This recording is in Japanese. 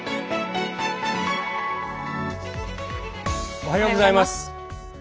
おはようございます。